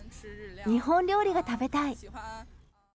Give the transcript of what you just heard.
日本料理が食べたい。